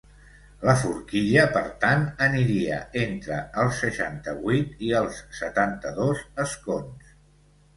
La forquilla, per tant, aniria entre els seixanta-vuit i els setanta-dos escons.